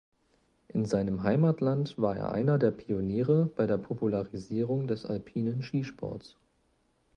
In seinem Heimatland war er einer der Pioniere bei der Popularisierung des alpinen Skisports.